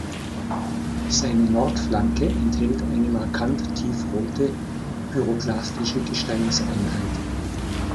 Seine Nordflanke enthält eine markant tiefrote pyroklastische Gesteinseinheit.